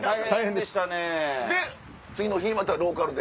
で次の日またローカルで。